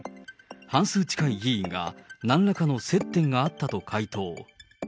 半数近い議員がなんらかの接点があったと回答。